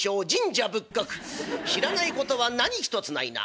知らないことは何一つないな。